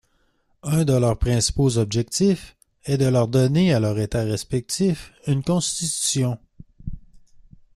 Un de leurs principaux objectifs est de donner à leurs États respectifs une constitution.